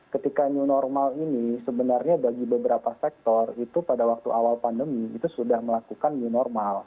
ketika new normal ini sebenarnya bagi beberapa sektor itu pada waktu awal pandemi itu sudah melakukan new normal